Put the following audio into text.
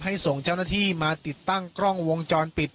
ส่งเจ้าหน้าที่มาติดตั้งกล้องวงจรปิด